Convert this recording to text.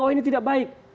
oh ini tidak baik